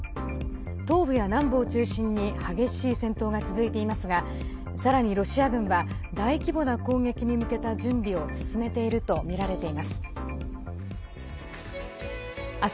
東部や南部を中心に激しい戦闘が続いていますがさらに、ロシア軍は大規模な攻撃に向けた準備を進めているとみられています。